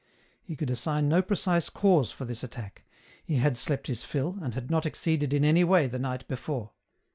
He could assign no precise cause for this attack ; he had slept his fill, and had not exceeded in any way the night before.